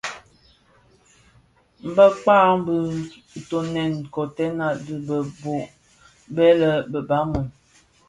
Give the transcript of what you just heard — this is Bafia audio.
Bakpag bō kotèn kotènga dhi bë dho bë lè baloum,